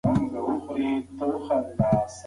د پښتو ژبې تدریس له زهني فشار څخه خالي دی.